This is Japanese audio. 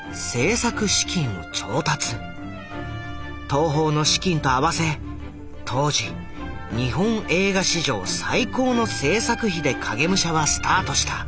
東宝の資金と合わせ当時日本映画史上最高の製作費で「影武者」はスタートした。